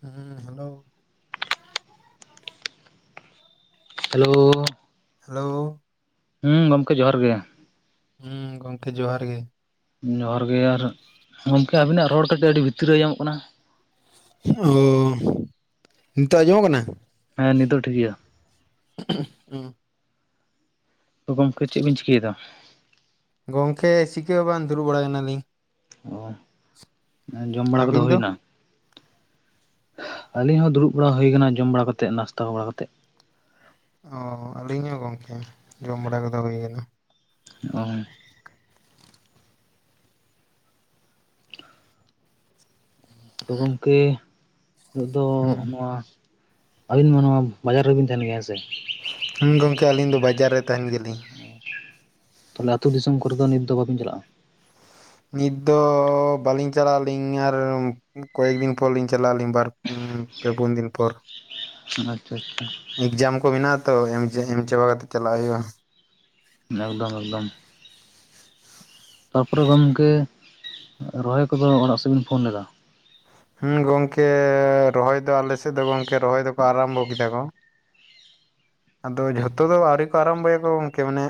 ᱦᱩᱸ, hello. Hello. Hello. ᱦᱩᱸ ᱜᱚᱝᱠᱮ ᱡᱚᱦᱟᱨ ᱜᱮ᱾ ᱦᱩᱸ ᱜᱚᱝᱠᱮ ᱡᱚᱦᱟᱨ ᱜᱮ᱾ ᱡᱚᱦᱟᱨ ᱜᱮ ᱟᱨ ᱜᱚᱝᱠᱮ ᱟᱵᱤᱱᱟᱜ ᱨᱚᱲ ᱠᱟᱹᱴᱤᱡ ᱟᱹᱰᱤ ᱵᱷᱤᱛᱤᱨ ᱨᱮ ᱟᱸᱡᱚᱢᱚᱜ ᱠᱟᱱᱟ᱾ ᱚ, ᱱᱤᱛᱳᱜ ᱟᱸᱡᱚᱢᱚᱜ ᱠᱟᱱᱟ᱾ ᱦᱮᱸ ᱱᱤᱛ ᱫᱚ ᱴᱷᱤᱠ ᱜᱮᱭᱟ᱾ ᱩᱸ ᱛᱚ ᱜᱚᱝᱠᱮ ᱪᱮᱫ ᱵᱤᱱ ᱪᱤᱠᱟᱹᱭᱮᱫᱟ? ᱜᱚᱝᱠᱮ ᱪᱤᱠᱟᱹ ᱦᱚᱸ ᱵᱟᱝ ᱫᱩᱲᱩᱵ ᱵᱟᱲᱟᱭ ᱠᱟᱱᱟᱞᱤᱧ᱾ ᱚ, ᱡᱚᱢ ᱵᱟᱲᱟ ᱠᱚᱫᱚ ᱟᱹᱵᱤᱱ ᱦᱩᱭ ᱫᱚ ᱱᱟ? ᱟᱹᱞᱤᱧ ᱦᱚᱸ ᱫᱩᱲᱩᱵ ᱵᱟᱲᱟ ᱦᱩᱭ ᱠᱟᱱᱟ, ᱡᱚᱢ ᱵᱟᱲᱟ ᱠᱟᱛᱮᱫ ᱱᱟᱥᱛᱟ ᱵᱟᱲᱟ ᱠᱟᱛᱮᱫ᱾ ᱚ, ᱟᱹᱞᱤᱧ ᱦᱚᱸ ᱜᱚᱝᱠᱮ ᱡᱚᱢ ᱵᱟᱲᱟ ᱠᱟᱫᱚ ᱦᱩᱭᱮᱱᱟ᱾ ᱚ ᱛᱚ, ᱜᱚᱝᱠᱮ ᱱᱤᱛ ᱫᱚ ᱦᱩᱸ ᱚᱱᱟ ᱟᱹᱵᱤᱱ ᱢᱟ ᱱᱚᱣᱟ ᱵᱟᱡᱟᱨ ᱨᱮᱵᱮᱱ ᱛᱟᱦᱮᱱ ᱜᱮᱭᱟ ᱦᱮᱸ ᱥᱮ? ᱦᱩᱸ ᱜᱚᱝᱠᱮ ᱟᱹᱞᱤᱧ ᱫᱚ ᱵᱟᱡᱟᱨ ᱨᱮ ᱛᱟᱦᱮᱱ ᱜᱮᱭᱟᱞᱤᱧ᱾ ᱚ, ᱛᱚᱵᱮ ᱟᱛᱳ ᱫᱤᱥᱚᱢ ᱠᱚᱨᱮ ᱫᱚ ᱱᱤᱛ ᱫᱚ ᱵᱟᱵᱤᱱ ᱪᱟᱞᱟᱜ-ᱟ? ᱱᱤᱛ ᱫᱚ ᱵᱟᱹᱞᱤᱧ ᱪᱟᱞᱟᱜ-ᱟᱹᱞᱤᱧ ᱟᱨ ᱠᱚᱭᱮᱠ ᱫᱤᱱ ᱯᱚᱨ ᱞᱤᱧ ᱪᱟᱞᱟᱜ ᱟᱹᱞᱤᱧ ᱵᱟᱨ, ᱯᱮ, ᱯᱩᱱ, ᱫᱤᱱ ᱯᱚᱨ᱾ ᱟᱪᱪᱷᱟ ᱟᱪᱪᱷᱟ᱾ ᱮᱠᱡᱟᱢ ᱠᱚ ᱢᱮᱱᱟᱜ-ᱟ ᱛᱚ ᱮᱢ, ᱮᱢ ᱪᱟᱵᱟ ᱠᱟᱛᱮ ᱪᱟᱞᱟᱜ ᱦᱩᱭᱩᱜ-ᱟ᱾ ᱮᱠᱫᱚᱢ ᱮᱠᱫᱚᱢ᱾ ᱛᱟᱯᱚᱨᱮ ᱜᱚᱝᱠᱮ ᱨᱚᱦᱚᱭ ᱠᱚᱫᱚ ᱚᱲᱟᱜ ᱥᱮᱫ ᱵᱮᱱ ᱯᱷᱳᱱ ᱞᱮᱫᱟ? ᱦᱩᱸ ᱜᱚᱝᱠᱮ ᱨᱚᱦᱚᱭ ᱫᱚ ᱟᱞᱮ ᱥᱮᱫ ᱫᱚ ᱜᱚᱝᱠᱮ ᱨᱚᱦᱚᱭ ᱫᱚᱠᱚ ᱟᱨᱟᱢᱵᱚ ᱠᱮᱫᱟ ᱠᱚ᱾ ᱟᱫᱚ ᱡᱷᱚᱛᱚ ᱫᱚ ᱟᱹᱣᱨᱤ ᱠᱚ ᱟᱨᱟᱢᱵᱚᱭᱟ ᱠᱚ ᱜᱚᱝᱠᱮ ᱢᱟᱱᱮ᱾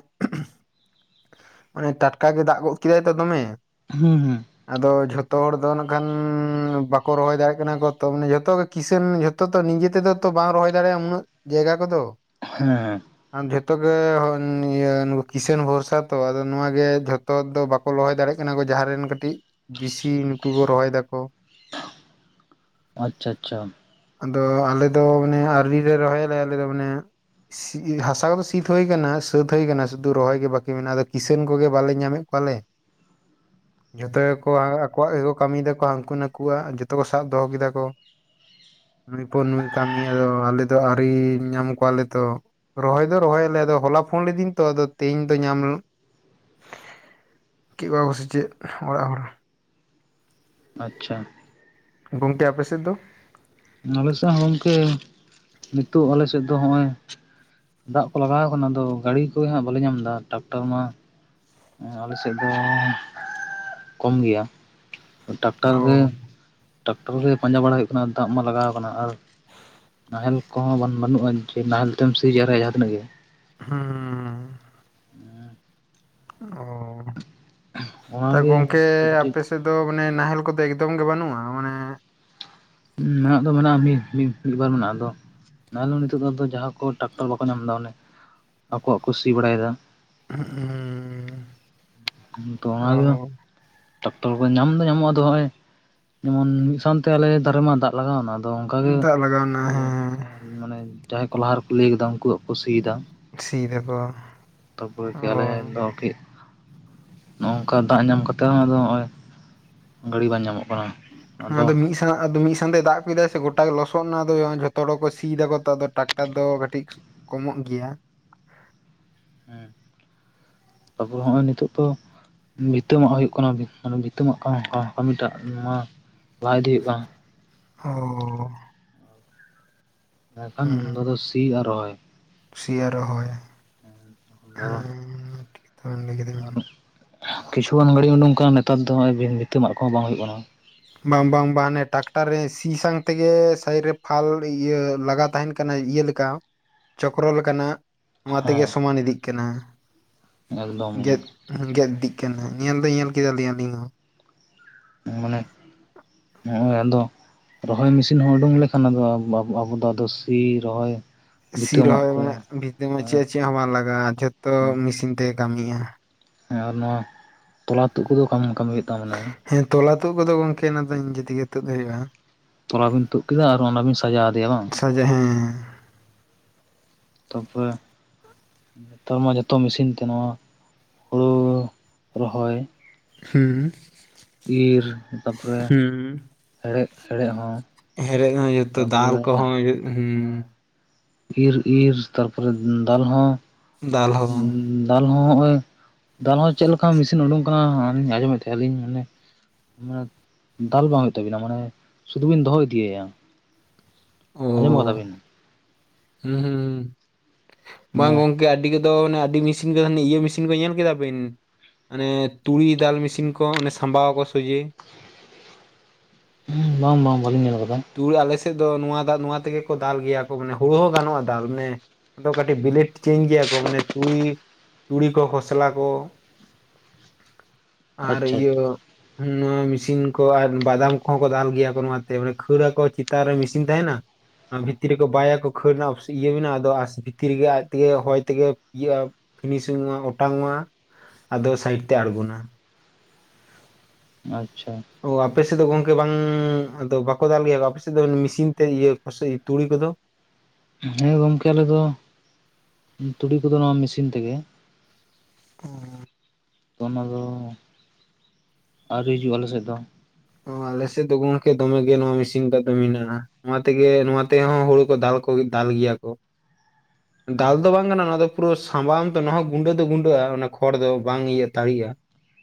ᱟᱱᱮ ᱴᱟᱴᱠᱟ ᱜᱮ ᱫᱟᱜ ᱜᱚᱫ ᱠᱮᱫᱟᱭ ᱛᱚ ᱫᱚᱢᱮᱼᱼ ᱦᱩᱸ-ᱦᱩᱸ ᱟᱫᱚ ᱡᱷᱚᱛᱚ ᱦᱚᱲ ᱫᱚ ᱱᱟᱜ ᱠᱷᱟᱱᱻ ᱵᱟᱠᱚ ᱨᱚᱦᱚᱭ ᱫᱟᱲᱮᱭᱟᱜ ᱠᱟᱱᱟ ᱠᱚ ᱢᱟᱱᱮ ᱡᱷᱚᱛᱚ ᱜᱮᱼᱼ ᱠᱤᱥᱟᱹᱱ ᱡᱷᱚᱛᱚ ᱛᱚ ᱱᱤᱡᱮ ᱛᱮᱫᱚ ᱛᱚ ᱵᱟᱝ ᱨᱚᱦᱚᱭ ᱫᱟᱲᱮᱭᱟᱜ-ᱟ ᱩᱱᱟᱹᱜ ᱡᱟᱭᱜᱟ ᱠᱚᱫᱚ᱾ ᱦᱩᱸ ᱟᱨ ᱡᱷᱚᱛᱚ ᱜᱮ ᱦᱚᱱ ᱤᱭᱟᱹ ᱠᱤᱥᱟᱹᱱ ᱵᱷᱳᱨᱥᱼᱼ ᱛᱚ ᱟᱫᱚ ᱱᱚᱣᱟ ᱜᱮ ᱡᱷᱚᱛᱚ ᱫᱚ ᱵᱟᱠᱚ ᱞᱚᱦᱚᱭ ᱫᱟᱲᱮᱭᱟᱜ ᱠᱟᱱᱟ ᱠᱚ ᱡᱟᱦᱟᱸ ᱨᱮᱱ ᱠᱟᱹᱴᱤᱡᱼᱼ ᱵᱤᱥᱤ ᱱᱩᱠᱩ ᱠᱚ ᱨᱚᱦᱚᱭ ᱫᱟ ᱠᱚ᱾ ᱟᱪᱪᱷᱟ-ᱟᱪᱪᱷᱟ ᱟᱫᱚ ᱟᱞᱮᱫᱚ ᱢᱟᱱᱮ ᱟᱹᱣᱨᱤ ᱨᱮ ᱨᱚᱦᱚᱭᱟᱞᱮ, ᱟᱞᱮᱫᱚ ᱢᱟᱱᱮᱼᱼ ᱥᱤ ᱦᱟᱥᱟ ᱠᱚᱫᱚ ᱥᱤᱛ ᱦᱩᱭ ᱟᱠᱟᱱᱟ ᱥᱟᱹᱛ ᱦᱩᱭ ᱟᱠᱟᱱᱟ ᱥᱩᱫᱷᱩ ᱨᱚᱦᱚᱭ ᱜᱮ ᱵᱟᱠᱼᱼ ᱢᱮᱱᱟᱜ-ᱟ ᱟᱫᱚ ᱠᱤᱥᱟᱹᱱ ᱠᱚᱜᱮ ᱵᱟᱞᱮ ᱧᱟᱢᱮᱫ ᱠᱚᱣᱟᱞᱮ᱾ [inaudible] ᱡᱷᱚᱛᱚ ᱜᱮᱠᱚ ᱟᱠᱚᱣᱟᱜ ᱜᱮᱠᱚ ᱠᱟᱹᱢᱤᱭ ᱫᱟ ᱠᱚ ᱦᱟᱹᱱᱠᱩ ᱱᱟᱹᱠᱩᱣᱟᱜ ᱡᱚᱛᱚ ᱠᱚ ᱥᱟᱵ ᱫᱚᱦᱚ ᱠᱮᱫᱟ ᱠᱚ᱾ ᱱᱩᱭ ᱯᱚᱨ ᱱᱩᱭ ᱠᱟᱹᱢᱤ ᱟᱫᱚ ᱟᱞᱮᱫᱚ ᱟᱹᱣᱨᱤ ᱧᱟᱢ ᱠᱚᱣᱟᱞᱮ ᱛᱚᱼᱼ ᱨᱚᱦᱚᱭ ᱫᱚ ᱨᱚᱦᱚᱭ ᱟᱞᱮ ᱟᱫᱚ ᱦᱚᱞᱟ ᱯᱷᱳᱱ ᱞᱮᱫᱤᱧ ᱛᱚ ᱟᱫᱚ ᱛᱤᱦᱤᱧᱼᱼ ᱫᱚ ᱧᱟᱢ ᱠᱮᱜ ᱠᱚᱣᱟ ᱠᱚ ᱥᱮᱫ ᱚᱲᱟᱜ ᱦᱚᱲᱼᱼ ᱟᱪᱪᱷᱟᱼᱼ ᱜᱚᱝᱠᱮ ᱟᱯᱮ ᱥᱮᱫ ᱫᱚ? ᱟᱞᱮ ᱥᱮᱫ ᱦᱚᱸ ᱜᱚᱢᱠᱮ ᱱᱤᱛᱚᱜ ᱟᱞᱮ ᱥᱮᱫ ᱫᱚ ᱦᱚᱜ-ᱚᱭ᱾ ᱫᱟᱜ ᱠᱚ ᱞᱟᱜᱟᱣ ᱟᱠᱟᱱᱟ ᱟᱫᱚ ᱜᱟᱹᱰᱤ ᱠᱚ ᱦᱟᱸᱜ ᱵᱟᱞᱮ ᱧᱟᱢ ᱫᱟ, ᱴᱟᱠᱴᱟᱨ ᱢᱟᱼᱼ ᱟᱞᱮ ᱥᱮᱫ ᱫᱚ ᱠᱚᱢ ᱜᱮᱭᱟ᱾ ᱴᱟᱠᱴᱟᱨ ᱜᱮ ᱚ ᱴᱟᱠᱴᱟᱨ ᱜᱮ ᱯᱟᱸᱡᱟ ᱵᱟᱲᱟ ᱦᱩᱭᱩᱜ ᱠᱟᱱᱟ ᱫᱟᱜ ᱢᱟ ᱞᱟᱜᱟᱣ ᱠᱟᱱᱟ ᱟᱨᱼᱼ ᱱᱟᱦᱮᱞ ᱠᱚᱦᱚᱸ ᱵᱟᱝ ᱵᱟᱹᱱᱩᱜ-ᱟ ᱡᱮ ᱱᱟᱦᱮᱞ ᱛᱮᱢ ᱥᱤ ᱡᱟᱣᱨᱟᱭᱟ ᱡᱟᱦᱟᱸ ᱛᱱᱟᱹᱜ ᱜᱮ᱾ ᱦᱩᱸᱻᱻ ᱚᱻ ᱛᱟ ᱚᱱᱟᱜᱮ ᱜᱚᱝᱠᱮ ᱱᱤᱛᱚᱜ ᱠᱟᱹᱴᱤᱡ ᱟᱯᱮ ᱥᱮᱫᱼᱼ ᱫᱚ ᱢᱟᱱᱮ ᱱᱟᱦᱮᱞ ᱠᱚᱫᱚ ᱮᱠᱫᱚᱢ ᱜᱮ ᱵᱟᱹᱱᱩᱜ-ᱟ ᱢᱟᱱᱮᱼᱼ ᱢᱮᱱᱟᱜ ᱫᱚ ᱢᱮᱱᱟᱜ-ᱟ ᱢᱤᱫ ᱢᱤᱫᱵᱟᱨ ᱢᱮᱱᱟᱜ ᱟᱫᱚᱼᱼ ᱱᱟᱦᱮᱞ ᱫᱚ ᱱᱤᱛᱚᱜ ᱫᱚ ᱟᱫᱚ ᱡᱟᱦᱟᱸ ᱠᱚ ᱴᱨᱟᱠᱴᱟᱨ ᱵᱟᱠᱚ ᱧᱟᱢ ᱫᱟ ᱚᱱᱮ ᱟᱠᱚᱣᱟᱜ ᱠᱚ ᱥᱤ ᱵᱟᱲᱟᱭᱮᱫᱟ᱾ [unintelligible] ᱦᱩᱸ ᱛᱚ ᱚᱱᱟᱜᱮᱼᱼ ᱚ ᱴᱟᱠᱴᱚᱨ ᱠᱚ ᱧᱟᱢ ᱫᱚ ᱧᱟᱢᱚᱜ-ᱟ ᱟᱫᱚ ᱦᱚᱜ-ᱚᱭ ᱡᱮᱢᱚᱱ ᱢᱤᱫ ᱥᱟᱝᱛᱮ ᱟᱞᱮ ᱫᱷᱟᱨᱮ ᱢᱟ ᱫᱟᱜᱼᱼ ᱞᱟᱜᱟᱣ ᱮᱱᱟ ᱟᱫᱚ ᱚᱱᱠᱟᱜᱮ ᱫᱟᱜ ᱞᱟᱜᱟᱣᱱᱟ ᱟᱫᱚ ᱦᱮᱸ ᱦᱮᱸᱼᱼ ᱢᱟᱱᱮ ᱡᱟᱦᱟᱸᱭ ᱠᱚ ᱞᱟᱦᱟ ᱨᱮᱠᱚ ᱞᱟᱹᱭ ᱟᱠᱟᱫᱟ ᱩᱱᱠᱩᱣᱟᱜ ᱠᱚ ᱥᱤᱭᱮᱫᱟ᱾ ᱥᱤ ᱮᱫᱟᱠᱚ᱾ ᱛᱟ ᱯᱚᱨᱮ ᱠᱤ ᱟᱞᱮ ᱫᱚ ᱠᱤᱼᱼ ᱱᱚᱜ-ᱚ ᱱᱚᱝᱠᱟ ᱫᱟᱜ ᱧᱟᱢ ᱠᱟᱛᱮ ᱦᱚᱸ ᱟᱫᱚ ᱦᱚᱜ-ᱚᱭ ᱜᱟᱹᱰᱤ ᱵᱟᱝ ᱧᱟᱢᱚᱜ ᱠᱟᱱᱟ᱾ ᱦᱮ ᱟᱫᱚ ᱢᱤᱫᱼᱼ ᱦᱮᱸ ᱟᱫᱚ ᱢᱤᱫ ᱥᱟᱝᱛᱮ ᱫᱟᱜ ᱠᱮᱫᱟᱭ ᱥᱮ ᱜᱚᱴᱟ ᱜᱮ ᱞᱚᱥᱚᱫ ᱱᱟ ᱟᱫᱚ ᱡᱷᱚᱛᱚ ᱦᱚᱲ ᱠᱚ ᱥᱤᱭᱮᱫᱟᱠᱚ ᱛᱚ ᱟᱫᱚ ᱴᱟᱠᱴᱟᱨ ᱫᱚ ᱠᱟᱹᱴᱤᱡᱼᱼ ᱠᱚᱢᱚᱜ ᱜᱮᱭᱟ᱾ ᱦᱩᱸ ᱛᱟᱯᱚᱨ ᱦᱚᱜᱚᱭ ᱱᱤᱛᱚᱜ ᱛᱚᱼᱼ ᱵᱷᱤᱛᱟᱹ ᱢᱟᱜ ᱦᱩᱭᱩᱜ ᱠᱟᱱᱟ ᱵᱷᱤᱛᱟᱹ ᱢᱟᱜ ᱠᱟᱱ ᱠᱟᱹᱢᱤᱴᱟᱜ ᱱᱚᱣᱟ ᱞᱟᱦᱟ ᱤᱫᱤ ᱦᱤᱭᱩᱜ ᱠᱟᱱᱟ᱾ ᱚᱻ ᱱᱟᱹᱠᱷᱟᱱ ᱩᱱ ᱫᱚ ᱟᱫᱚ ᱦᱩᱸ ᱥᱤ ᱟᱨ ᱨᱚᱦᱚᱭ᱾ ᱥᱤ ᱟᱨ ᱨᱚᱦᱚᱭᱼᱼ [unintelligible] ᱴᱷᱤᱠ ᱛᱚᱵᱮᱢ ᱞᱟᱹᱭ ᱠᱮᱫᱟᱵᱤᱱ ᱟᱨ ᱠᱤᱪᱷᱩᱜᱟᱱ ᱜᱟᱹᱰᱤ ᱩᱰᱩᱝ ᱠᱟᱱᱟ ᱱᱮᱛᱟᱨ ᱫᱚ ᱦᱚᱜ-ᱚᱭ ᱵᱷᱤ ᱵᱷᱤᱛᱟᱹ ᱢᱟᱜ ᱠᱚᱦᱚᱸ ᱵᱟᱝ ᱦᱩᱭᱩᱜ ᱠᱟᱱᱟ᱾ ᱵᱟᱝ ᱵᱟᱝ ᱵᱟᱝ ᱦᱟᱱᱮ ᱴᱟᱠᱴᱟᱨ ᱨᱮ ᱥᱤ ᱥᱟᱝ ᱛᱮᱜᱮ ᱥᱟᱭᱤᱰ ᱨᱮ ᱯᱷᱟᱞ ᱤᱭᱟᱹ ᱞᱟᱜᱟᱣ ᱛᱟᱦᱮᱱ ᱠᱟᱱᱟ ᱤᱭᱟᱹ ᱞᱮᱼᱼ ᱠᱟ ᱪᱚᱠᱨᱚ ᱞᱮᱠᱟᱱᱟᱜ᱾ ᱱᱚᱣᱟ ᱛᱮᱜᱮ ᱥᱚᱢᱟᱱ ᱤᱫᱤᱜ ᱠᱟᱱᱟ᱾ ᱦᱮᱸ ᱮᱠᱫᱚᱢ ᱜᱮᱫᱼᱼ ᱜᱮᱫ ᱤᱫᱤᱜ ᱠᱟᱱᱟ ᱧᱮᱞ ᱫᱚ ᱧᱮᱞ ᱠᱮᱫᱟ ᱞᱤᱧ ᱟᱹᱞᱤᱧ ᱦᱚᱸ ᱾ ᱢᱟᱱᱮ ᱱᱚᱜᱼᱚᱭ ᱟᱫᱚ ᱨᱚᱦᱚᱭ ᱢᱮᱥᱤᱱ ᱦᱚᱸ ᱩᱰᱩᱝ ᱞᱮᱠᱷᱟᱱ ᱟ ᱟᱵᱚ ᱫᱚ ᱟᱫᱚ ᱥᱤ ᱨᱚᱦᱚᱭ ᱥᱤ ᱵᱷᱤᱛᱟᱹ ᱢᱟᱜ ᱨᱚᱦᱚᱭ ᱠᱚ ᱵᱷᱤᱛᱟᱹ ᱢᱟ ᱪᱮᱫ ᱦᱮᱸ ᱪᱮᱫ ᱦᱚᱸ ᱵᱟᱝ ᱞᱟᱜᱟᱜᱼᱟ ᱡᱷᱚᱛᱚ ᱢᱮᱥᱤᱱ ᱛᱮ ᱠᱟᱹᱢᱤᱭᱟᱭ ᱾ ᱦᱮᱸ ᱟᱨ ᱱᱚᱣᱟ ᱛᱚᱞᱟ ᱛᱩᱫ ᱠᱚᱫᱚ ᱠᱟᱢ ᱠᱟᱹᱢᱤ ᱦᱩᱭᱩᱜ ᱛᱟᱵᱚ ᱱᱟ ᱾ ᱦᱮᱸ ᱛᱚᱞᱟ ᱛᱩᱫ ᱠᱚᱫᱚ ᱜᱚᱢᱠᱮ ᱚᱱᱟ ᱫᱚ ᱱᱤᱡᱮ ᱛᱮᱜᱮ ᱛᱩᱫ ᱦᱩᱭᱩᱜᱼᱟ ᱾ ᱛᱚᱞᱟ ᱵᱤᱱ ᱛᱩᱫ ᱠᱮᱫᱟ ᱟᱨ ᱚᱱᱟ ᱵᱤᱱ ᱥᱟᱡᱟᱣ ᱟᱫᱮᱭᱟ ᱵᱟᱝ? [unintelligible] ᱦᱮᱸ ᱛᱟᱨᱯᱚᱨᱮ ᱱᱮᱛᱟᱨ ᱢᱟ ᱡᱚᱛᱚ ᱢᱮᱥᱤᱱ ᱛᱮ ᱱᱚᱣᱟ ᱦᱩᱲᱩ ᱨᱚᱦᱚᱭ ᱾ ᱦᱩᱸ ᱛᱟᱯᱚᱨᱮ ᱦᱩᱸ ᱦᱮᱲᱦᱮᱫ ᱦᱮᱲᱦᱮᱫ ᱦᱚᱸ ᱦᱮᱲᱮᱫ ᱦᱚᱸ ᱡᱚᱛᱚ ᱫᱟᱞ ᱛᱟᱯᱚᱨᱮ ᱠᱚᱦᱚᱸ ᱦᱩᱭᱩᱜ ᱦᱩᱸ ᱤᱨ ᱤᱨ ᱛᱟᱨᱯᱚᱨᱮ ᱫᱟᱞ ᱦᱚᱸ ᱫᱟᱞ ᱦᱚᱸ ᱫᱟᱞ ᱦᱚᱸ ᱦᱚᱜᱼᱚᱭ ᱫᱟᱞ ᱦᱚᱸ ᱪᱮᱫ ᱞᱮᱠᱟ ᱢᱮᱥᱤᱱ ᱩᱰᱩᱝ ᱠᱟᱱᱟ ᱟᱞᱤᱧ ᱟᱸᱡᱚᱢᱮᱫ ᱛᱟᱦᱮᱸ ᱞᱤᱧ ᱢᱟᱱᱮ ᱢᱟᱱᱮ [unintelligible] ᱫᱟᱞ ᱵᱟᱝ ᱦᱩᱭᱩᱜ ᱛᱟᱵᱤᱱᱟ ᱢᱟᱱᱮ ᱥᱩᱫᱷᱩ ᱵᱤᱱ ᱫᱚᱦᱚ ᱤᱫᱤᱭᱟᱭᱟ ᱾ ᱚ ᱟᱸᱡᱚᱢ ᱠᱟᱫᱟ ᱵᱤᱱ? ᱦᱩᱸ ᱦᱩᱸ ᱦᱩ ᱵᱟᱝ ᱢᱟᱱᱮ ᱜᱚᱝᱠᱮ ᱟᱹᱰᱤ ᱠᱚᱫᱚ ᱮ ᱟᱹᱰᱤ ᱢᱮᱥᱤᱱ ᱤᱭᱟᱹ ᱢᱮᱥᱤᱱ ᱠᱚ ᱧᱮᱞ ᱠᱮᱫᱟ ᱵᱤᱱ? ᱚᱱᱮ ᱛᱩᱲᱤ ᱫᱟᱞ ᱢᱤᱥᱤᱱ ᱠᱚ ᱚᱱᱮ ᱥᱟᱢᱵᱟᱣ ᱟᱠᱚ ᱥᱚᱡᱮ ᱾ ᱵᱟᱝ ᱵᱟᱝ ᱵᱷᱟᱹᱞᱤᱧ ᱧᱮᱞ ᱟᱠᱟᱫᱟ ᱾ ᱫᱩᱲ ᱟᱞᱮ ᱥᱮᱫ ᱫᱚ ᱱᱚᱣᱟ ᱫᱟᱜ ᱱᱚᱣᱟ ᱛᱮᱜᱮ ᱠᱚ ᱫᱟᱞ ᱜᱮᱭᱟ ᱠᱚ ᱢᱟᱱᱮ ᱦᱩᱲᱩ ᱦᱚᱸ ᱜᱟᱱᱚᱜᱼᱟ ᱫᱟᱞ ᱱᱮ ᱾ ᱟᱫᱚ ᱠᱟᱹᱴᱤᱡ ᱵᱤᱞᱮᱰ ᱪᱮᱧ ᱜᱮᱭᱟ ᱠᱚ ᱢᱟᱱᱮ ᱛᱩᱲᱤ ᱛᱩᱲᱤ ᱠᱚ ᱠᱷᱚᱥᱞᱟ ᱠᱚ᱾ [inaudible] ᱟᱨ ᱟᱪᱪᱷᱟ ᱤᱭᱟᱹ ᱱᱚᱣᱟ ᱢᱮᱥᱤᱱ ᱠᱚ ᱟᱨ ᱵᱟᱫᱟᱢ ᱠᱚᱦᱚᱸ ᱠᱚ ᱫᱟᱞ ᱜᱮᱭᱟ ᱠᱚ ᱱᱚᱣᱟᱛᱮ ᱾ ᱠᱷᱟᱹᱲ ᱨᱟᱠᱚ ᱪᱤᱛᱟᱱ ᱨᱮ ᱢᱤᱥᱤᱱ ᱛᱟᱦᱮᱸᱱᱟ ᱾ ᱵᱷᱤᱛᱤᱨ ᱨᱮᱠᱚ ᱵᱟᱭᱟᱠᱚ ᱠᱷᱟᱹᱲ ᱨᱮᱱᱟᱜ ᱤᱭᱟᱹ ᱚᱠᱥ ᱢᱮᱱᱟ ᱟᱫᱚ ᱟᱥ ᱵᱷᱤᱛᱤᱨ ᱨᱮᱜᱮ ᱟᱡ ᱛᱮᱜᱮ ᱦᱚᱭ ᱛᱮᱜᱮ ᱤᱭᱟᱹᱜᱼᱟ ᱾ ᱯᱷᱤᱱᱤᱥᱤᱝ ᱢᱟ ᱚᱴᱟᱝᱚᱜᱼᱟ ᱟᱫᱚ ᱥᱟᱭᱤᱰ ᱛᱮ ᱟᱬᱜᱚᱱᱟ ᱾ ᱟᱪᱪᱷᱟ ᱚ ᱟᱯᱮᱥᱮᱫ ᱫᱚ ᱜᱚᱝᱠᱮ ᱵᱟᱝ ᱟᱫᱚ ᱵᱟᱠᱚ ᱫᱟᱞ ᱜᱮᱭᱟ ᱟᱯᱮᱥᱮᱫ ᱫᱚ ᱢᱤᱥᱤᱱ ᱛᱮ ᱤᱭᱟᱹ ᱯᱟᱥᱮ ᱛᱩᱲᱤ ᱠᱚᱫᱚ ᱾ ᱦᱮᱸ ᱜᱚᱝᱠᱮ ᱟᱞᱮᱫ ᱫᱚ, ᱛᱩᱲᱤ ᱠᱚᱫᱚ ᱱᱚᱣᱟ ᱢᱤᱥᱤᱱ ᱛᱮᱜᱮ ᱾ ᱚ [unintelligible] ᱛᱚ ᱚᱱᱟ ᱫᱚ, ᱟᱹᱣᱨᱤ ᱦᱤᱡᱩᱜ ᱟᱞᱮᱥᱮᱫ ᱫᱚ ᱾ ᱚ ᱟᱞᱮᱥᱮᱫ ᱫᱚ ᱜᱚᱢᱠᱮ ᱫᱚᱢᱮ ᱜᱮ ᱱᱚᱣᱟ ᱢᱮᱥᱤᱱ ᱛᱮᱫᱚ ᱢᱮᱱᱟᱜᱼᱟ ᱾ ᱱᱚᱣᱟ ᱛᱮᱜᱮ ᱱᱚᱣᱟ ᱛᱮᱦᱚᱸ ᱦᱩᱲᱩ ᱠᱚ ᱫᱟᱞ ᱠᱚ ᱫᱟᱞ ᱜᱮᱭᱟ ᱠᱚ᱾ ᱫᱟᱞ ᱫᱚ ᱵᱟᱝ ᱠᱟᱱᱟ ᱚᱱᱟ ᱫᱚ ᱾ ᱯᱩᱨᱟᱹ ᱥᱟᱢᱵᱟᱣᱟᱢ ᱛᱚ ᱚᱱᱟ ᱜᱩᱸᱰᱟᱹ ᱫᱚ ᱜᱩᱸᱰᱟᱹᱜᱼᱟ ᱚᱱᱟ ᱠᱷᱚᱲ ᱫᱚ ᱵᱟᱝ ᱤᱭᱟᱹᱟᱹᱜ ᱛᱟᱲᱤᱜᱼᱟ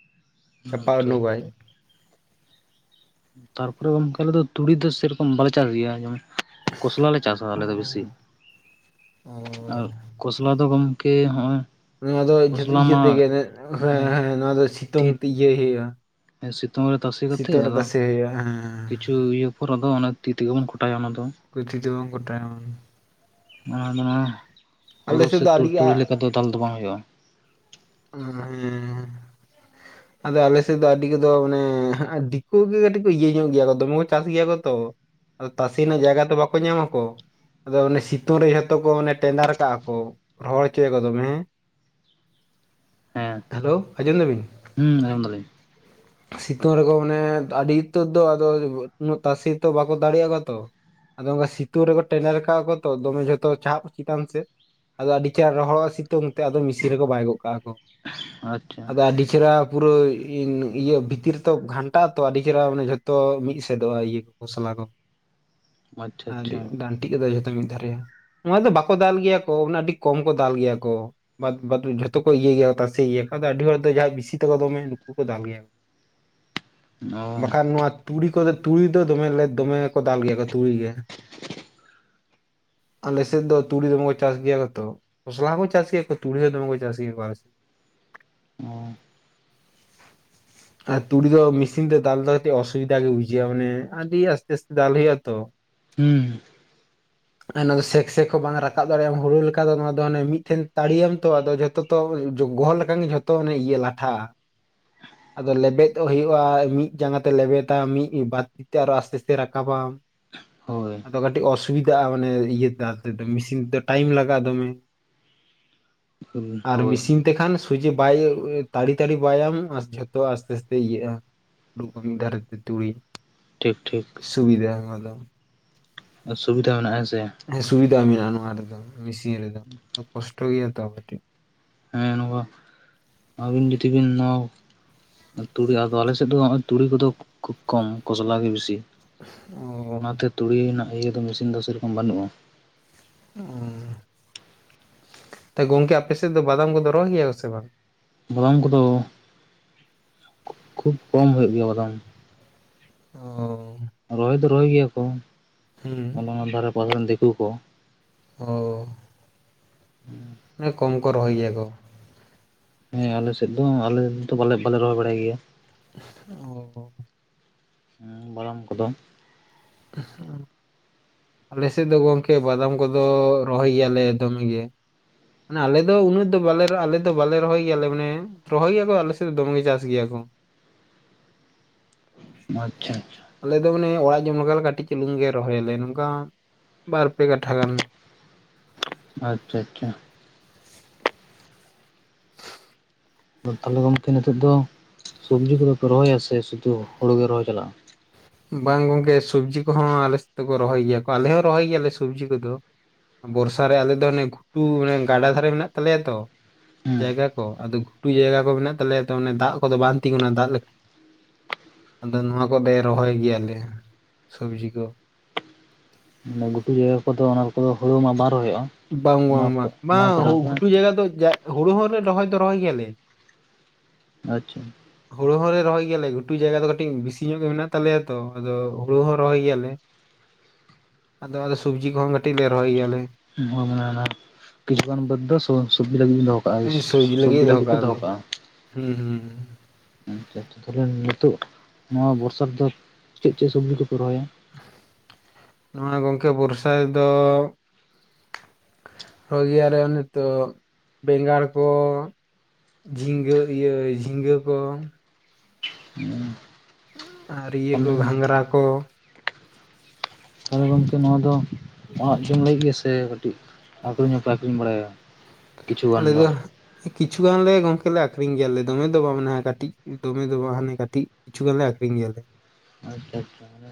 ᱾ ᱪᱷᱟᱯᱟ ᱟᱪᱪᱷᱟ ᱚᱰᱩᱠ ᱟᱭ ᱛᱟᱨᱯᱚᱨᱮ ᱜᱚᱢᱠᱮ ᱟᱞᱮ ᱫᱚ ᱛᱩᱲᱤ ᱫᱚ ᱥᱮᱨᱚᱠᱚᱢ ᱵᱟᱞᱮ ᱪᱟᱥ ᱜᱮᱭᱟ ᱡᱮᱢᱚᱱ ᱾ ᱠᱚᱥᱞᱟ ᱞᱮ ᱪᱟᱥᱟ ᱟᱞᱮ ᱫᱚ ᱵᱮᱥᱤ ᱟᱨ ᱠᱚᱥᱞᱟ ᱫᱚᱢᱼᱼ ᱠᱮ ᱱᱚᱜᱼᱚᱭ ᱱᱚᱣᱟ ᱫᱚ ᱤᱭᱟᱹ [unintelligible] ᱛᱮᱜᱮ ᱦᱮᱸ ᱦᱮᱸ ᱱᱚᱣᱟ ᱫᱚ ᱛᱤ ᱥᱤᱛᱩᱝ ᱛᱮ ᱤᱭᱟᱹ ᱦᱩᱭᱩᱜᱼᱟ᱾ ᱥᱤᱛᱩᱝ ᱨᱮ ᱛᱟᱥᱮ ᱠᱟᱛᱮᱫ ᱥᱤᱛᱩᱝ ᱨᱮ ᱟᱫᱚ ᱛᱟᱥᱮ ᱦᱩᱭᱩᱜᱼᱟ ᱦᱮᱸ ᱠᱤᱪᱷᱩ ᱤᱭᱟᱹᱼᱼ ᱯᱚᱨ ᱟᱫᱚ ᱚᱱᱟ ᱛᱤ ᱛᱮᱜᱮ ᱵᱚᱱ ᱠᱚᱴᱟᱭᱟ ᱚᱱᱟ ᱫᱚ ᱾ ᱜᱩᱪᱷᱤ ᱫᱚ ᱵᱟᱝ ᱠᱚᱴᱟᱭᱟ ᱚᱱᱮ [unintelligible] ᱚᱱᱟ ᱫᱚ ᱦᱩᱲᱩ ᱟᱞᱮ ᱥᱮᱫ ᱥᱮ ᱫᱚ ᱛᱩᱲ ᱟᱹᱰᱤ ᱜᱟ ᱛᱩᱲᱤ ᱞᱮᱠᱟ ᱫᱚ ᱫᱟᱞ ᱫᱚ ᱵᱟᱝ ᱦᱩᱭᱩᱜᱼᱟ ᱾ [unintelligible] ᱮᱸ [inaudible] ᱟᱫᱚ ᱟᱞᱮ ᱥᱮᱫ ᱫᱚ ᱟᱹᱰᱤ ᱠᱚᱫᱚ ᱢᱟᱱᱮ ᱫᱤᱠᱩ ᱜᱮ ᱠᱟᱹᱴᱤᱡ ᱠᱚ ᱤᱭᱟᱹ ᱧᱚᱜ ᱜᱮᱭᱟ ᱠᱚ ᱫᱚᱢᱮ ᱠᱚ ᱪᱟᱥ ᱜᱮᱭᱟ ᱠᱚ ᱛᱚ ᱾ ᱟᱫᱚ ᱛᱟᱥᱮ ᱨᱮᱱᱟᱜ ᱡᱟᱭᱜᱟ ᱛᱚ ᱵᱟᱠᱚ ᱧᱟᱢ ᱟᱠᱚ ᱾ ᱟᱫᱚ ᱚᱱᱮ ᱥᱤᱛᱩᱝ ᱨᱮ ᱡᱷᱚᱛᱚ ᱠᱚ ᱚᱱᱮ ᱴᱮᱸᱰᱟᱨ ᱠᱟᱜᱼᱟ ᱠᱚ, ᱨᱚᱦᱚᱲ ᱦᱚᱪᱚ ᱠᱚᱫᱚᱢ ᱦᱮᱸ? ᱦᱮᱸ ᱦᱮᱞᱳ, ᱟᱡᱚᱢ ᱫᱟᱵᱤᱱ? ᱦᱩᱸ ᱟᱸᱡᱚᱢ [inaudible] ᱥᱤᱛᱩᱝ ᱨᱮᱠᱚ ᱢᱟᱱᱮ ᱟᱹᱰᱤ ᱩᱛᱟᱹᱨ ᱫᱚ ᱟᱫᱚ ᱩᱹᱜ ᱛᱟᱥᱮ ᱛᱚ ᱵᱟᱠᱚ ᱫᱟᱲᱮᱭᱟᱜ ᱠᱚ ᱛᱚ, ᱟᱫᱚ ᱚᱱᱠᱟ ᱥᱤᱛᱩᱝ ᱨᱮᱠᱚ ᱴᱮᱰᱮᱨ ᱠᱟᱜ ᱠᱚ ᱛᱚ ᱫᱚᱢᱮ ᱡᱷᱚᱛᱚ ᱪᱯ ᱪᱮᱛᱟᱱ ᱥᱮᱜ ᱟᱫᱚ ᱟᱹᱰᱤ ᱪᱮᱦᱨᱟ ᱨᱚᱦᱚᱲᱚᱜ ᱥᱤᱛᱩᱝ ᱛᱮ ᱟᱫᱚ ᱢᱤᱥᱤᱱ ᱨᱮᱠᱚ ᱵᱟᱭ ᱜᱚᱜ ᱠᱟᱜᱼᱟ ᱠᱚ, ᱟᱪᱪᱷᱟ ᱟᱫᱚ ᱟᱹᱰᱤ ᱪᱮᱦᱨᱟ ᱯᱩᱨᱟᱹ ᱤᱱ ᱤᱭᱟᱹ ᱵᱷᱤᱛᱤᱨ ᱛᱚ ᱜᱷᱟᱱᱴᱟ ᱟ ᱛᱚ ᱟᱹᱰᱤ ᱪᱮᱦᱨᱟ ᱢᱟᱱᱮ ᱡᱷᱚᱛᱚ ᱢᱤᱫ ᱥᱮᱫᱚᱜᱼᱟ ᱤᱭᱟᱹ ᱠᱚ, ᱠᱷᱚᱥᱞᱟ ᱠᱚ ᱟᱪᱪᱷᱟ ᱟᱨ ᱟᱪᱪᱷᱟ ᱰᱟᱹᱱᱴᱤᱜ ᱠᱟ ᱡᱷᱚᱛᱚ ᱢᱤᱫ ᱫᱷᱟᱨᱮᱜᱼᱟ᱾ ᱱᱚᱣᱟ ᱫᱚ ᱵᱟᱠᱚ ᱫᱟᱞ ᱜᱮᱭᱟ ᱠᱚ ᱟᱹᱰᱤ ᱠᱚᱢ ᱠᱚ ᱫᱟᱞ ᱜᱮᱭᱟ ᱠᱚ, ᱵᱟᱫ ᱵᱟᱫ ᱡᱷᱚ ᱛᱚᱠᱚ ᱤᱭᱟᱹ ᱜᱮᱭᱟ ᱛᱟᱥᱮ ᱤᱭᱟᱹ ᱠᱚ ᱟᱫᱚ ᱟᱹᱰᱤ ᱦᱚᱲ ᱫᱚ ᱡᱟᱦᱟᱸᱭ ᱵᱤᱥᱤ ᱛᱮᱠᱚ ᱫᱚᱢᱮ ᱱᱩᱠᱩ ᱠᱚ ᱫᱟᱞ ᱜᱮᱭᱟ᱾ ᱚ ᱵᱟᱠᱷᱟᱱ ᱱᱚᱣᱟ ᱛᱩᱲᱤ ᱠᱚᱫᱚ ᱛᱩᱲᱤ ᱫᱚ ᱫᱚᱢᱮᱞᱮ ᱫᱚᱢᱮ ᱠᱚ ᱫᱟᱞ ᱜᱮᱭᱟ ᱠᱚ ᱛᱩᱲᱤ ᱜᱮ᱾ ᱟᱞᱮᱥᱮᱫ ᱫᱚ ᱛᱩᱲᱤ ᱫᱚᱢᱮ ᱠᱚ ᱪᱟᱥ ᱜᱮᱭᱟᱛᱚ ᱠᱷᱚᱥᱞᱟ ᱦᱚᱸᱠᱚ ᱪᱟᱥ ᱜᱮᱭᱟ ᱛᱩᱤ ᱦᱚᱸ ᱫᱚᱢᱮ ᱠᱚ ᱪᱟᱥ ᱜᱮᱭᱟᱢ ᱠᱚ ᱟᱞᱮ ᱥᱮᱫ᱾ ᱚ, ᱟᱨ ᱛᱩᱲᱤ ᱫᱚ ᱢᱮᱥᱤᱱ ᱛᱮ ᱫᱟᱞ ᱫᱚ ᱠᱟᱹᱴᱤᱡ ᱚᱥᱩᱵᱤᱫᱟ ᱜᱮ ᱵᱩᱡᱷᱟᱹᱜᱼᱟ ᱢᱟᱱᱮ ᱟᱹᱰᱤ ᱟᱥᱛᱮ ᱟᱥᱛᱮ ᱫᱟᱞ ᱦᱩᱭ ᱦᱩᱭᱩᱜᱭᱟ ᱛᱚ, ᱦᱩᱸ᱾ ᱚᱱᱟ ᱫᱚ ᱥᱮᱠ ᱥᱮᱠ ᱦᱚᱸ ᱵᱟᱝ ᱨᱟᱠᱟᱵ ᱫᱟᱲᱮ ᱦᱳᱲᱳ ᱞᱮᱠᱟ ᱫᱚ ᱱᱚᱣᱟ ᱫᱚ ᱦᱟᱱᱮ ᱢᱤᱫ ᱴᱷᱮᱱ ᱛᱟᱲᱤᱭᱟᱢ ᱛᱚ ᱟᱫᱚ ᱡᱷᱚᱛᱚ ᱛᱚ ᱜᱚᱦᱚᱲ ᱞᱮᱠᱷᱟᱱ ᱜᱮ ᱡᱷᱚᱛᱚ ᱤᱭᱟᱹ ᱞᱟᱴᱷᱟᱜ-ᱟ᱾ ᱟᱫᱚ ᱞᱮᱵᱮᱫᱚᱜ ᱦᱩᱭᱩᱜ-ᱟ ᱢᱤᱫ ᱡᱟᱸᱜᱟ ᱛᱮ ᱞᱮᱵᱮ ᱛᱟᱢ ᱢᱤᱫ ᱵᱟᱨ ᱛᱤᱛᱮ ᱟᱨᱦᱚᱸ ᱟᱥᱛᱮ ᱟᱥᱛᱮ ᱨᱟᱠᱟᱵᱟᱢ᱾ ᱦᱳᱭ ᱟᱫᱚ ᱠᱟᱹᱴᱤᱡ ᱚᱥᱩᱵᱤᱫᱟᱜ-ᱟ ᱢᱟᱱᱮ ᱤᱭᱟᱹ ᱛᱮᱫᱚ ᱢᱮᱥᱤᱱ ᱛᱮᱫᱚ ᱴᱟᱭᱤᱢ ᱞᱟᱜᱟᱜ-ᱟ ᱫᱚᱢᱮ᱾ ᱟᱨ ᱦᱳᱭ ᱢᱤᱥᱤᱱ ᱛᱮᱠᱷᱟᱱ ᱥᱩᱡᱮ ᱵᱟᱭ ᱛᱟᱲᱤ ᱛᱟᱲᱤ ᱵᱟᱭ ᱟᱢ ᱟᱨ ᱡᱷᱚᱛᱚ ᱟᱥᱛᱮ ᱟᱥᱛᱮ ᱤᱭᱟᱹᱜ-ᱟ᱾ [unintelligible] ᱢᱤᱫ ᱫᱷᱟᱨᱮ ᱛᱮ ᱛᱩᱲᱤ ᱴᱷᱤᱠ ᱴᱷᱤᱠ᱾ ᱥᱩᱵᱤᱫᱷᱟ ᱟᱫᱚᱢ ᱥᱩᱵᱤᱫᱷᱟ ᱢᱮᱱᱟᱜ-ᱟ ᱦᱮᱸᱥᱮ? ᱦᱮᱸ ᱥᱩᱵᱤᱫᱟ ᱢᱮᱱᱟᱜ-ᱟ ᱱᱚᱣᱟ ᱨᱮᱫᱚ ᱢᱮᱥᱤᱱ ᱨᱮᱫᱚ ᱠᱚᱥᱴᱚ ᱜᱮᱭᱟ ᱛᱚ ᱠᱟᱹᱴᱤᱡ, ᱦᱮᱸ ᱱᱚᱝᱠᱟ ᱟᱹᱵᱤᱱ ᱡᱩᱫᱤ ᱵᱤᱱ ᱱᱚᱣᱟ ᱛᱩᱲᱤᱜ ᱟᱫᱚ ᱟᱞᱮᱥᱮᱫ ᱫᱚ ᱚᱸᱜ ᱚᱭ ᱛᱩᱲᱤ ᱠᱚᱫᱚ ᱠᱷᱩᱵ ᱠᱚᱢ ᱠᱷᱚᱥᱞᱟ ᱜᱮ ᱵᱤᱥᱤ, ᱚ ᱚᱱᱟᱛᱮ ᱛᱩᱲᱤ ᱨᱮᱱᱟᱜ ᱤᱭᱟᱹ ᱫᱚ ᱢᱮᱥᱤᱱ ᱫᱚ ᱥᱮᱨᱚᱠᱚᱢ ᱵᱟᱹᱱᱩᱜ-ᱟ᱾ ᱚ ᱛᱚ ᱜᱚᱝᱠᱮ ᱟᱯᱮ ᱥᱮᱫ ᱫᱚ ᱵᱟᱫᱟᱢ ᱠᱚᱫᱚ ᱨᱚᱦᱚᱭ ᱜᱮᱭᱟ ᱠᱚ ᱥᱮ ᱵᱟᱝ? ᱵᱟᱫᱟᱢ ᱠᱚᱫᱚ ᱠᱷᱩ ᱠᱷᱩᱵ ᱠᱚᱢ ᱦᱩᱭᱩᱜ ᱜᱮᱭᱟ ᱵᱟᱫᱟᱢ᱾ ᱚ᱾ ᱨᱚᱦᱚᱭ ᱫᱚ ᱨᱚᱦᱚᱭ ᱜᱮᱭᱟ ᱠᱚ ᱦᱩᱸ ᱚᱱᱟ ᱫᱷᱟᱨᱮ ᱯᱟᱥᱮ ᱨᱮᱱ ᱫᱤᱠᱩ ᱠᱚ᱾ ᱚ᱾ ᱩᱸ ᱢᱟᱱᱮ ᱠᱚᱢ ᱠᱚ ᱨᱚᱦᱚᱭ ᱜᱮᱭᱟ ᱠᱚ᱾ ᱦᱮᱸ ᱟᱞᱮ ᱥᱮᱫ ᱫᱚ ᱟᱞᱮ ᱫᱚ ᱵᱟᱞᱮ ᱵᱟᱞᱮ ᱨᱚᱦᱚᱭ ᱵᱟᱲᱟᱭ ᱜᱮᱭᱟ᱾ ᱚ ᱦᱩᱸ ᱵᱚᱲᱚᱢ ᱠᱚᱫᱚ ᱟᱞᱮᱥᱮᱫ ᱫᱚ ᱜᱚᱝᱠᱮ ᱵᱟᱫᱟᱢ ᱠᱚᱫᱚ ᱨᱚᱦᱚᱭ ᱜᱮᱭᱟᱞᱮ ᱫᱚᱢᱮ ᱜᱮ᱾ ᱢᱟᱱᱮ ᱟᱞᱮ ᱫᱚ ᱩᱱᱟᱹᱜ ᱫᱚ ᱵᱟᱞᱮ ᱟᱞᱮ ᱫᱚ ᱵᱟᱞᱮ ᱨᱚᱦᱚᱭ ᱜᱮᱭᱟᱞᱮ ᱢᱟᱱᱮ, ᱨᱚᱦᱚᱭ ᱜᱮᱭᱟᱠᱚ ᱟᱞᱮ ᱥᱮᱫ ᱫᱚᱢᱮ ᱜᱮ ᱪᱟᱥ ᱜᱮᱭᱟ ᱠᱚ᱾ ᱟᱪᱪᱷᱟ᱾ ᱟᱞᱮ ᱫᱚ ᱢᱟᱱᱮ ᱚᱲᱟᱜ ᱡᱚᱢ ᱞᱮᱠᱟᱞᱮ ᱠᱟᱹᱴᱤᱡ ᱪᱟᱹᱩᱞᱩᱝᱮ ᱨᱚᱦᱚᱭᱟᱞᱮ, ᱱᱚᱝᱠᱟ ᱵᱟᱨ ᱯᱮ ᱠᱟᱴᱷᱟ ᱜᱟᱱ᱾ ᱟᱪᱪᱷᱟ ᱟᱪᱪᱷᱟ᱾ ᱛᱟᱦᱚᱞᱮ ᱜᱚᱢᱠᱮ ᱱᱤᱛᱚᱜ ᱫᱚ ᱥᱚᱵᱽᱡᱤ ᱠᱚᱫᱚ ᱯᱮ ᱨᱚᱦᱚᱭᱟ ᱥᱮ ᱥᱩᱫᱷᱩ ᱦᱩᱲᱩ ᱜᱮ ᱨᱚᱦᱚᱭ ᱪᱟᱞᱟᱜ-ᱟ? ᱵᱟᱝ ᱜᱚᱝᱠᱮ ᱥᱚᱵᱽᱡᱤ ᱠᱚᱦᱚᱸ ᱟᱞᱮ ᱥᱮᱫ ᱫᱚ ᱠᱚ ᱨᱚᱦᱚᱭ ᱜᱮᱭᱟ ᱠᱚ, ᱟᱞᱮ ᱦᱚᱸ ᱨᱚᱦᱚᱭ ᱜᱮᱭᱟᱞᱮ ᱥᱚᱵᱡᱤ ᱠᱚᱫᱚ᱾ ᱵᱚᱨᱥᱟ ᱨᱮ ᱟᱞᱮ ᱫᱚ ᱚᱱᱮ ᱜᱷᱩᱴᱩ ᱢᱟᱱᱮ ᱜᱟᱰᱟ ᱫᱷᱟᱨᱮ ᱢᱮᱱᱟᱜ ᱛᱟᱞᱮᱭᱟ ᱛᱚ, ᱦᱮᱸ ᱡᱟᱭᱜᱟ ᱠᱚ? ᱟᱫᱚ ᱜᱷᱩᱴᱩ ᱡᱟᱭᱜᱟ ᱠᱚ ᱢᱮᱱᱟᱜ ᱛᱟᱞᱮᱭᱟ ᱾ ᱛᱚ ᱚᱱᱮ ᱫᱟᱜ ᱠᱚᱫᱚ, ᱵᱟᱝ ᱛᱤᱸᱜᱩᱱᱟ ᱫᱟᱜ ᱾ ᱟᱫᱚ ᱱᱚᱣᱟ ᱠᱚᱫᱮ, ᱨᱚᱦᱚᱭ ᱜᱮᱭᱟᱞᱮ ᱥᱚᱵᱡᱤ ᱠᱚ ᱾ ᱢᱟᱱᱮ ᱜᱷᱩᱴᱩ ᱡᱟᱭᱜᱟ ᱠᱚᱫᱚ, ᱚᱱᱟ ᱠᱚᱫᱚ ᱦᱩᱲᱩ ᱢᱟ ᱵᱟᱝ ᱨᱚᱦᱚᱭᱚᱜ-ᱟ ᱾ ᱵᱟᱝ ᱵᱟᱝ, ᱵᱟᱝ ᱵᱟᱝ ᱜᱷᱩᱴᱩ ᱡᱟᱭᱜᱟ ᱫᱚ ᱦᱩᱲᱩ ᱦᱚᱸ ᱨᱚᱦᱚᱭ ᱫᱚ, ᱨᱚᱦᱚᱭ ᱜᱮᱭᱟᱞᱮ ᱾ ᱟᱪᱪᱷᱟ ᱾ ᱦᱩᱲᱩ ᱦᱚᱸᱞᱮ, ᱨᱚᱦᱚᱭ ᱜᱮᱭᱟᱞᱮ, ᱜᱷᱩᱴᱩ ᱡᱟᱭᱜᱟ ᱫᱚ, ᱠᱟᱹᱴᱤᱡ ᱵᱤᱥᱤ ᱧᱚᱜ ᱜᱮ ᱢᱮᱱᱟᱜ ᱛᱟᱞᱮᱭᱟ ᱾ ᱛᱚ ᱟᱫᱚ ᱦᱩᱲᱩ ᱦᱚᱸ ᱨᱚᱦᱚᱭ ᱜᱮᱭᱟᱞᱮ [inaudible] ᱟᱫᱚ, ᱟᱫᱚ ᱥᱚᱵᱡᱤ ᱠᱚᱦᱚᱸ ᱠᱟᱹᱴᱤᱡ ᱞᱮ, ᱨᱚᱦᱚᱭ ᱜᱮᱭᱟᱞᱮ ᱾ [unintelligible] ᱠᱤᱪᱷᱩᱜ ᱜᱟᱱ ᱵᱟᱹᱫᱽ ᱫᱚ, ᱥᱚᱼᱥᱚ, ᱥᱚᱵᱽᱡᱤ ᱞᱟᱹᱜᱤᱫ ᱫᱚᱦᱚ ᱠᱟᱜ-ᱟ ᱾ ᱥᱚᱵᱽᱡᱤ ᱥᱚᱼᱥᱚᱼᱥᱚᱵᱽᱡᱤ ᱞᱟᱹᱜᱤᱫ ᱯᱮ ᱠᱟᱜᱼᱟ ᱫᱚᱦᱚ ᱞᱮ ᱠᱟᱜ-ᱟ ᱾ ᱦᱩᱸ ᱦᱩᱸ ᱾ ᱟ ᱪᱟ ᱪᱷᱟ, ᱛᱟᱦᱚᱞᱮ, ᱱᱤᱛᱚᱜ ᱱᱚᱣᱟ ᱵᱚᱨᱥᱟ, ᱨᱮᱫᱚ ᱪᱮᱫ? ᱪᱮᱫ? ᱥᱚᱵᱽᱡᱤ ᱠᱚᱯᱮ ᱨᱚᱦᱚᱭᱟ ᱾ ᱱᱚᱣᱟ ᱜᱚᱝᱠᱮ, ᱵᱚᱨᱥᱟ ᱨᱮᱫᱚ, ᱨᱚᱦᱚᱭ ᱜᱮᱭᱟ ᱞᱮ, ᱱᱤᱛᱚᱜ ᱵᱮᱸᱜᱟᱲ ᱠᱚ ᱾ ᱡᱷᱤᱸᱜᱟᱹ ᱤᱭᱟᱹ, ᱡᱷᱤᱸᱜᱟᱹ ᱠᱚ ᱾ [inaudible] ᱟᱨ ᱤᱭᱟᱹ ᱠᱚ, ᱛᱟᱦᱚᱞᱮ ᱜᱷᱟᱸᱜᱷᱨᱟ ᱠᱚ᱾ ᱛᱟᱦᱚᱞᱮ ᱜᱚᱝᱠᱮ ᱱᱚᱣᱟ ᱫᱚ ᱚᱲᱟᱜ ᱡᱚᱢ ᱞᱟᱹᱜᱤᱫ ᱜᱮ ᱥᱮ ᱠᱟᱹᱴᱤᱡᱼᱼ ᱟᱠᱷᱨᱤᱧ [unintelligible] ᱱᱟᱯᱟᱭ ᱟᱠᱷᱨᱤᱧ ᱵᱟᱲᱟᱭᱟ ᱠᱤᱪᱷᱩ ᱜᱟᱱ ᱟᱞᱮ ᱫᱚ ᱫᱚᱼᱼ ᱠᱤᱪᱷᱩ ᱜᱟᱱ ᱞᱮ ᱜᱚᱝᱠᱮ ᱞᱮ ᱟᱠᱷᱨᱤᱧ ᱜᱮᱭᱟ ᱞᱮ ᱫᱚᱢᱮ ᱫᱚ ᱵᱟᱝ ᱢᱟᱱᱮ ᱠᱟᱹᱴᱤᱡ ᱫᱚᱢᱮ ᱫᱚ ᱵᱟᱝ ᱦᱟᱱᱮ ᱠᱟᱹᱴᱤᱡᱼᱼ ᱠᱤᱪᱷᱩ ᱜᱟᱱ ᱞᱮ ᱟᱠᱷᱨᱤᱧ ᱜᱮᱭᱟᱞᱮᱼᱼ ᱟᱪᱪᱷᱟ ᱟᱪᱪᱷᱟ ᱢᱟᱱᱮ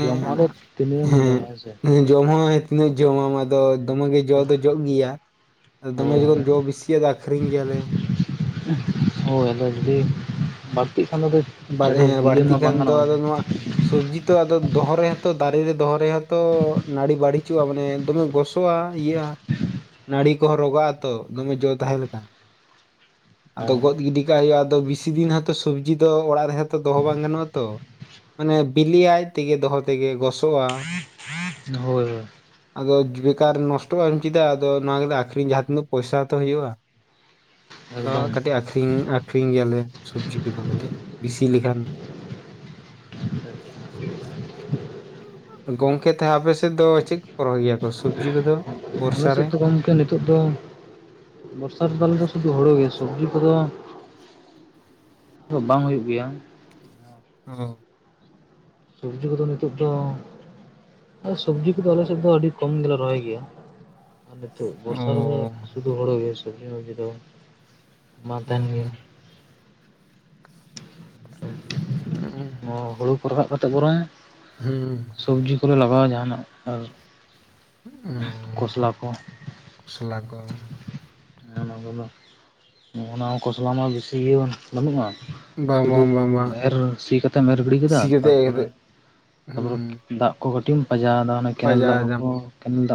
ᱡᱚᱢ ᱦᱚᱸ ᱫᱚ ᱛᱤᱱᱟᱹᱜ ᱮᱢ ᱡᱚᱢᱟ ᱦᱮᱸ ᱥᱮ ᱡᱚᱢ ᱦᱚᱸ ᱛᱤᱱᱟᱹᱜ ᱡᱚᱢᱟᱢ ᱟᱫᱚ ᱫᱚᱢᱮ ᱜᱮ ᱡᱚ ᱫᱚ ᱡᱚᱜ ᱜᱮᱭᱟ ᱟᱫᱚ ᱫᱚᱢᱮ ᱦᱳᱭ ᱚᱱᱮ ᱡᱚᱠᱷᱚᱱ ᱡᱚ ᱵᱤᱥᱤ ᱟᱫᱚ ᱟᱹᱠᱷᱨᱤᱧ ᱜᱮᱭᱟ ᱞᱮ ᱦᱳᱭ ᱟᱫᱚ ᱡᱩᱫᱤ ᱵᱟᱹᱲᱛᱤᱜ ᱠᱷᱟᱱ ᱫᱚ ᱠᱟᱡ [unintelligible] ᱦᱮᱸ ᱵᱟᱹᱲᱛᱤ ᱠᱷᱟᱱ ᱫᱚ ᱟᱫᱚ ᱱᱚᱣᱟᱼᱼ ᱥᱚᱵᱽᱡᱤ ᱛᱚ ᱟᱫᱚ ᱫᱚ ᱦᱚ ᱨᱮ ᱦᱚᱸ ᱛᱚ ᱫᱟᱨᱮ ᱨᱮ ᱫᱚᱦᱚ ᱨᱮ ᱦᱚᱸ ᱛᱚ ᱱᱟᱹᱲᱤ ᱵᱲᱤᱡᱚᱜᱼᱟ ᱢᱟᱱᱮ ᱫᱚᱢᱮ ᱜᱚᱥ ᱥᱚᱣᱟ ᱤᱭᱟᱹᱼᱟ ᱱᱟᱹᱲᱤ ᱠᱚ ᱦᱚᱸ ᱨᱚᱜᱟᱜᱼᱟᱛᱚ ᱫᱚᱢᱮ ᱡᱚ ᱛᱟᱦᱮᱸ ᱞᱮᱠᱟᱱ ᱟᱫᱚ ᱜᱚᱫ ᱜᱤᱰᱤ ᱠᱟᱜ ᱦᱩᱭᱩᱜ ᱟᱫᱚ ᱵᱮᱥᱤ ᱫᱤᱱ ᱦᱚᱸ ᱛᱚ ᱥᱚᱵᱽᱡᱤ ᱫᱚ ᱚᱲᱟᱜ ᱨᱮ ᱦᱚᱸ ᱛᱚ ᱫᱚᱦᱚ ᱵᱟᱝ ᱜᱟᱱᱚᱜ ᱟᱛᱚ ᱢᱟᱱᱮ ᱵᱤᱞᱤ-ᱟ ᱟᱡ ᱛᱮ ᱜᱮ ᱫᱚᱦᱚ ᱛᱮᱜᱮ ᱜᱚᱥᱚᱜᱼᱟ ᱦᱳᱭ ᱦᱳᱭ ᱟᱫᱚ ᱵᱮᱠᱟᱨ ᱱᱚᱥᱴᱚ ᱟ ᱪᱮᱫᱟᱜ ᱟᱫᱚ ᱱᱚᱣᱟ ᱜᱮᱞᱮ ᱟᱠᱷᱨᱤᱧ ᱡᱟᱦᱟᱸ ᱛᱤᱱᱟᱹᱜ ᱯᱚᱭᱥᱟ ᱛᱚ ᱦᱩᱭᱩᱜᱼᱟ ᱦᱳᱭ ᱟᱫᱚ ᱮᱠᱫᱚᱢ ᱠᱟᱹᱴᱤᱡ ᱟᱠᱷᱨᱤᱧ ᱟᱠᱷᱨᱤᱧ ᱜᱮᱭᱟᱞᱮ ᱥᱚᱵᱽᱡᱤ ᱠᱚ ᱫᱚ ᱠᱟᱹᱴᱤᱡ ᱵᱮᱥᱤ ᱞᱮᱠᱷᱟᱱᱼ ᱜᱚᱝᱠᱮ ᱛᱟ ᱟᱯᱮ ᱥᱮᱫ ᱫᱚ ᱪᱮᱫ ᱠᱚ ᱨᱚᱦᱚᱭ ᱜᱮᱭᱟ ᱠᱚ ᱥᱚᱵᱽᱡᱤ ᱠᱚ ᱫᱚᱼᱼ ᱟᱞᱮ ᱥᱮᱫ ᱫᱚ ᱜᱚᱝᱠᱮ ᱱᱤᱛᱚᱜ ᱫᱚ ᱵᱚᱨᱥᱟ ᱛᱮᱫᱚ ᱥᱩᱫᱷᱩ ᱦᱩᱲᱳ ᱜᱮ ᱥᱚᱵᱽᱡᱤ ᱠᱚ ᱫᱚᱼᱼ ᱛᱚ ᱵᱟᱝ ᱦᱩᱭᱩᱜ ᱜᱮᱭᱟ ᱚ ᱥᱚᱵᱽᱡᱤ ᱠᱚ ᱫᱚ ᱱᱤᱛᱚᱜ ᱫᱚᱼᱼ ᱥᱚᱵᱽᱡᱤ ᱠᱚ ᱫᱚ ᱟᱞᱮ ᱥᱮᱫ ᱫᱚ ᱟᱹᱰᱤ ᱠᱚᱢ ᱞᱮ ᱨᱚᱦᱚᱭ ᱜᱮᱭᱟ᱾ ᱟᱨ ᱱᱤᱛᱚᱜ ᱵᱚᱨᱥᱟ ᱨᱮ ᱜᱮ ᱥᱩᱫᱷᱩ ᱦᱩᱲᱩᱜ ᱜᱮ ᱥᱚᱵᱽᱡᱤ ᱥᱚᱵᱽᱡᱤ ᱫᱚ ᱵᱟᱝ ᱢᱟ ᱛᱟᱦᱮᱱ ᱜᱮᱭᱟ ᱚ ᱦᱩᱲᱩ ᱠᱚ ᱨᱟᱠᱟᱵ ᱠᱟᱛᱮᱫ ᱵᱚᱨᱚᱝ ᱦᱩᱸ ᱥᱚᱵᱽᱡᱤ ᱠᱚ ᱞᱮ ᱞᱟᱜᱟᱣᱟ ᱡᱟᱦᱟᱱᱟᱜ ᱟᱨᱼᱼ ᱠᱷᱚᱥᱞᱟ ᱠᱚᱼᱼ ᱦᱮᱸ ᱚᱱᱟ ᱠᱚ ᱫᱚ ᱚᱱᱟ ᱠᱷᱚᱥᱞᱟ ᱢᱟ ᱵᱮᱥᱤ ᱜᱮ ᱵᱟᱱᱩᱜᱼᱟ ᱥᱩᱫᱩ ᱮᱨ ᱦᱩᱲᱩ ᱥᱤ ᱠᱟᱛᱮᱢ ᱮᱨ ᱜᱤᱰᱤ ᱠᱮᱫᱟ ᱛᱟᱯᱚᱨᱮ ᱚᱨᱮᱠ ᱫᱟᱜ ᱠᱚ ᱠᱟᱹᱴᱤᱡ ᱮᱢ ᱯᱟᱸᱡᱟᱣ ᱮᱫᱟ ᱚᱱᱟ ᱠᱮᱱᱮᱞ ᱫᱟᱜ ᱠᱚ ᱠᱚ ᱠᱮᱱᱮᱞ ᱫᱟᱜᱼᱼ